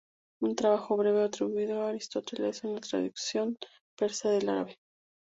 Un trabajo breve, atribuido a Aristóteles, es una traducción persa del árabe.